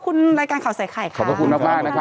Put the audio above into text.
ขอบคุณรายการข่าวใส่ไข่ครับขอบคุณมากนะครับ